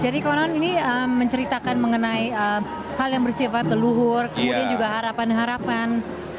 jadi kalau ini menceritakan mengenai hal yang bersifat teluhur kemudian juga harapan harapan